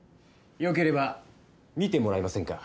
よければ見てもらえませんか？